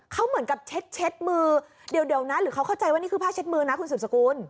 เขาเหมือนกับเช็ดมือเดี๋ยวนะหรือเขาเข้าใจว่านี่คือผ้าเช็ดมือนะคุณสืบสกุล